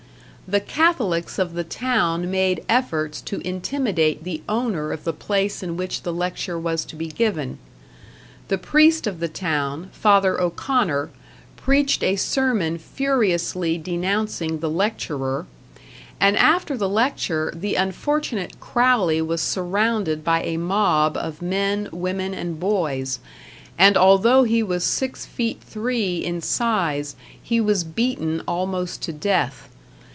The Catholics of the town made efforts to intimidate the owner of the place in which the lecture was to be given; the priest of the town, Father O'Connor, preached a sermon furiously denouncing the lecturer; and after the lecture the unfortunate Crowley was surrounded by a mob of men, women and boys, and although he was six feet three in size, he was beaten almost to death.